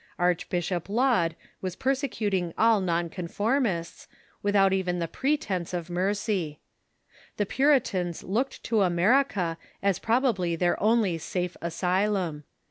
Archbishop Laud was persecuting all non conformists, with out even the pretence of mercy. The Puritans looked to America as probably their only safe asylum.